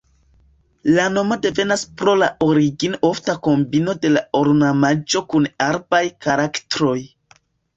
La nomo devenas pro la origine ofta kombino de la ornamaĵo kun arabaj karaktroj.